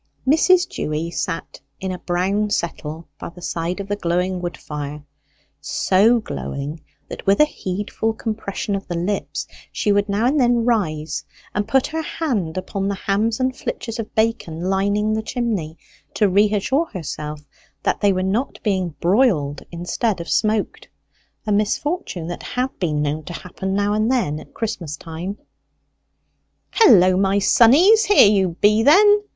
Mrs. Dewy sat in a brown settle by the side of the glowing wood fire so glowing that with a heedful compression of the lips she would now and then rise and put her hand upon the hams and flitches of bacon lining the chimney, to reassure herself that they were not being broiled instead of smoked a misfortune that had been known to happen now and then at Christmas time. "Hullo, my sonnies, here you be, then!"